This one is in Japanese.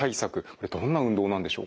これどんな運動なんでしょうか？